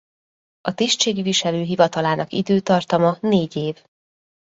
A tisztségviselő hivatalának időtartama négy év.